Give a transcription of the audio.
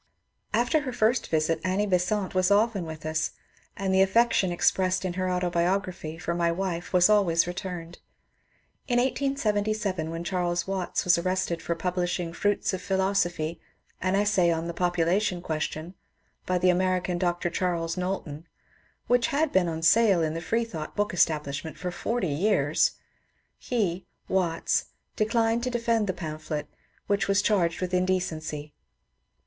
After her first visit Annie Besant was often with us, and the affection expressed in her " Autobiography " for my wife was always returned. In 1877, when Charles Watts was arrested for publishing " Fruits of Philosophy : An Essay on the Population Question," by the American Dr. Charles Knowlton — which had been on sale in the Freethought Book Establishment for forty years — he (Watts) declined to defend the pamphlet, which was charged with indecency.